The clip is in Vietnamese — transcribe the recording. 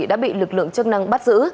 đã bị lực lượng chức năng bắt giữ